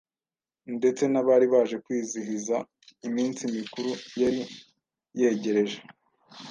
ndetse n’abari baje kwizihiza iminsi mikuru yari yegereje.